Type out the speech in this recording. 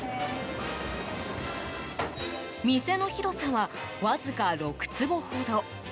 店の広さは、わずか６坪ほど。